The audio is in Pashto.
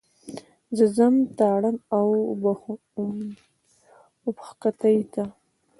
زه ځم تارڼ اوبښتکۍ ته.